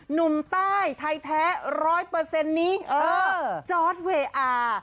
หนุ่มใต้ไทยแท้๑๐๐นี้เออจอร์ดเวอาร์